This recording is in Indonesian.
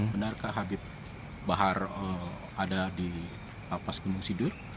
benarkah habib bahar ada di lapas gunung sidur